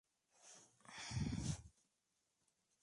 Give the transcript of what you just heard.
Se recuperó de ella pero su salud quedó muy afectada.